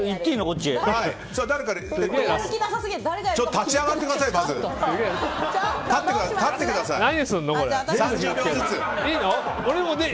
立ち上がってください、まず。